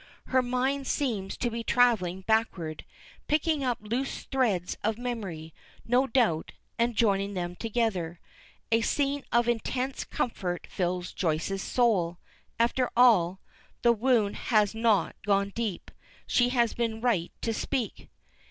Her mind seems to be traveling backward, picking up loose threads of memory, no doubt, and joining them together. A sense of intense comfort fills Joyce's soul. After all; the wound had not gone deep; she had been right to speak.